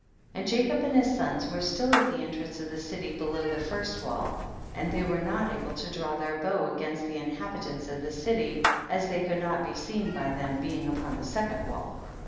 44. And Jacob and his sons were still at the entrance of the city below the first wall, and they were not able to draw their bow against the inhabi tants of the city, as they could not be seen by them, being upon the second wall.